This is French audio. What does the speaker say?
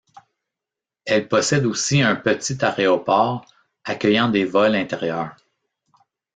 Elle possède aussi un petit aéroport, accueillant des vols intérieurs.